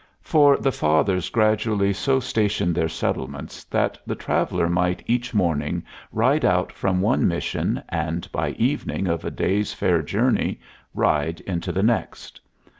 For the Fathers gradually so stationed their settlements that the traveler might each morning ride out from one mission and by evening of a day's fair journey ride into the next.